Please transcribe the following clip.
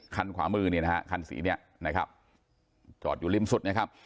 ขวามือเนี่ยนะฮะคันสีเนี่ยนะครับจอดอยู่ริมสุดนะครับ